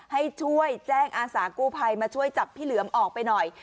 ให้ช่วยแจ้งอาสากู้ภัยมาช่วยจับพี่เหลือมออกไปหน่อย